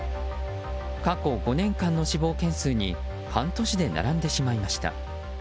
過去５年間の死亡件数に半年で並んでしまいました。